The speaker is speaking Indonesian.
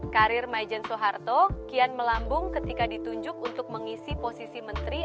karir majen soeharto kian melambung ketika ditunjuk untuk mengisi posisi menteri